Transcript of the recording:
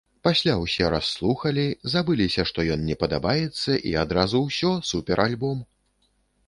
Пасля ўсе расслухалі, забыліся, што ён не падабаецца, і адразу ўсё, суперальбом!